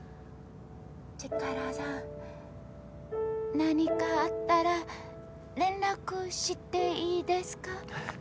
チカラさん何かあったら連絡していいですか？